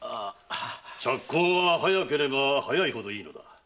着工は早ければ早いほどいい。